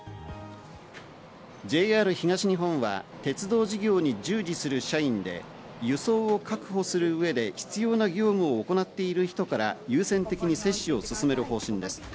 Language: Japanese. ＪＲ東日本は鉄道事業に従事する社員で、輸送を確保する上で必要な業務を行っている人から優先的に接種を進める方針です。